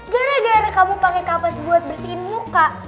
gara gara kamu pakai kapas buat bersihin muka